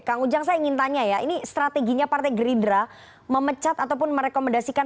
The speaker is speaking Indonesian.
kang ujang saya ingin tanya ya ini strateginya partai gerindra memecat ataupun merekomendasikan